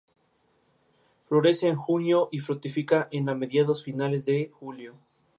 Florece en junio y fructifica en a mediados-finales de julio.